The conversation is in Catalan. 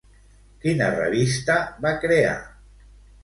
Quina revista va crear?